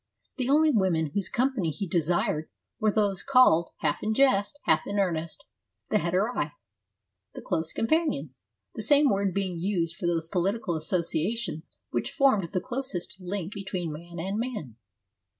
The only women whose company he desired were those called, half in jest, half in earnest, the Hetairai, ' the close companions,' the same word being used for those political associations which formed the closest link between man and man.